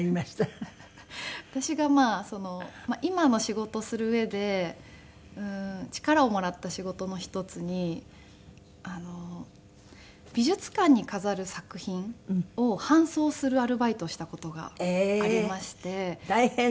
私が今の仕事する上で力をもらった仕事の一つに美術館に飾る作品を搬送するアルバイトをした事がありまして。